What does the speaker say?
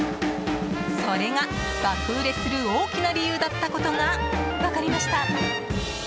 それが、爆売れする大きな理由だったことが分かりました。